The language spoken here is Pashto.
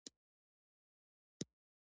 قرینه پر دوه ډوله ده.